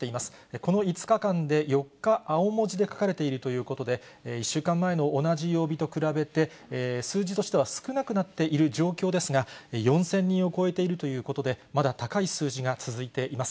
この５日間で４日、青文字で書かれているということで、１週間前の同じ曜日と比べて、数字としては少なくなっているという状況ですが、４０００人を超えているということで、まだ高い数字が続いています。